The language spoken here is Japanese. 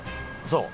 そう。